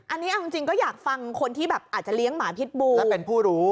อันนี้เอาจริงก็อยากฟังคนที่แบบอาจจะเลี้ยงหมาพิษบูและเป็นผู้รู้